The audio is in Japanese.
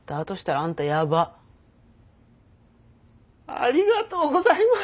ありがとうございます！